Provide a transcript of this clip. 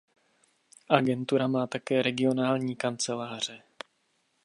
Agentura má také regionální kanceláře.